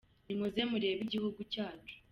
Ni muze murebe igihugu cyacu.